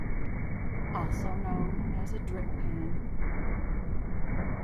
Also known as a drip pan.